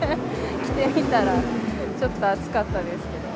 着てみたら、ちょっと暑かったですけど。